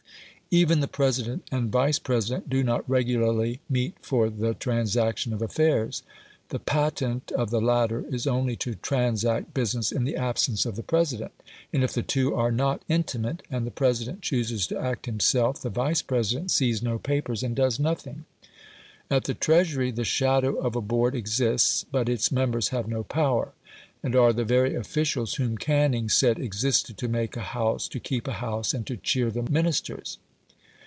Even the President and Vice President do not regularly meet for the transaction of affairs. The patent of the latter is only to transact business in the absence of the President, and if the two are not intimate, and the President chooses to act himself, the Vice President sees no papers, and does nothing. At the Treasury the shadow of a Board exists, but its members have no power, and are the very officials whom Canning said existed to make a House, to keep a House, and to cheer the Ministers.